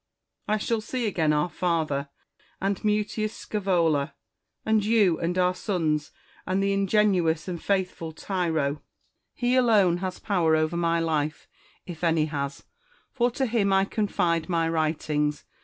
I shall see again our father, and Mutius Scsevola, and you, and our sons, and the ingenuous and faithful Tyro. He 3 1 8 IMA GTNAR Y CONFERS A T/ONS. alone has power over my life, if any has ; for to him 1 confide my writings.